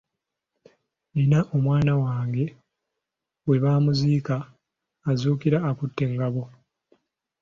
Nnina omwana wange bwe bamuziika azuukira akutte engabo.